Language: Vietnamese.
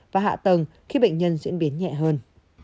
và hạ tầng khi bệnh nhân diễn biến nhẹ hơn